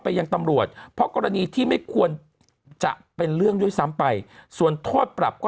ยังตำรวจเพราะกรณีที่ไม่ควรจะเป็นเรื่องด้วยซ้ำไปส่วนโทษปรับก็